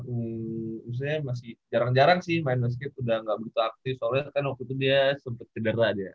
maksudnya masih jarang jarang sih main meskip udah gak begitu aktif soalnya kan waktu itu dia sempet kendara aja